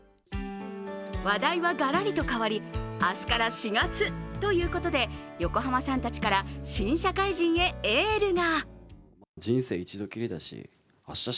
話題はがらりと変わり明日から４月ということで横浜さんたちから新社会人へエールが。